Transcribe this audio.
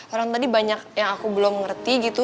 orang tadi banyak yang aku belum ngerti gitu